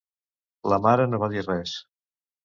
La mare no va dir res.